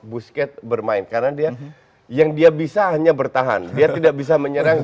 boosket bermain karena dia yang dia bisa hanya bertahan dia tidak bisa menyerang